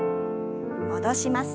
戻します。